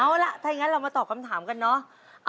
เอาล่ะถ้าอย่างนั้นเรามาตอบคำถามกันเนอะ